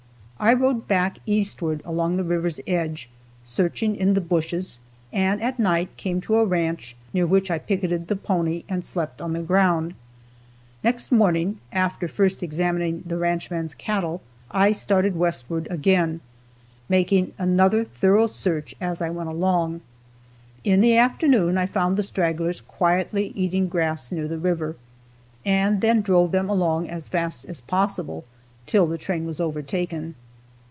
I rode back eastward along the river's edge, searching in the bushes, and at night came to a ranch, near which I picketed the pony and slept on the ground. Next morning, after first examining the ranchman's cattle, I started westward again, making another thorough search as I went along. In the afternoon I found the stragglers quietly eating grass near the river, and then drove them along as fast as possible till the train was overtaken.